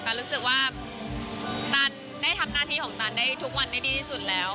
รู้สึกว่าตันได้ทำหน้าที่ของตันได้ทุกวันได้ดีที่สุดแล้ว